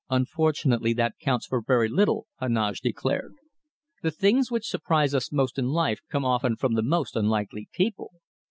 "Unfortunately, that counts for very little," Heneage declared. "The things which surprise us most in life come often from the most unlikely people.